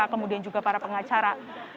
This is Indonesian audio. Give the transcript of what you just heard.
kemudian juga para pengacara